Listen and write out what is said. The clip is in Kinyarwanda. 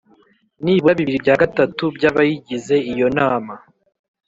nibura bibiri bya gatatu by abayigize Iyo nama